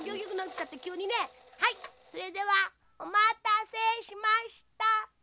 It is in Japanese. はいそれではおまたせしました。